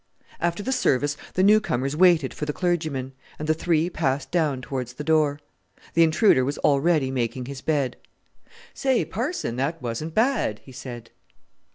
After the service the new comers waited for the clergyman, and the three passed down towards the door. The intruder was already making his bed. "Say! Parson, that wasn't bad," he said.